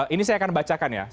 ini saya akan bacakan ya